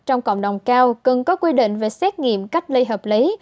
trong cộng đồng cao cần có quy định về xét nghiệm cách ly hợp lý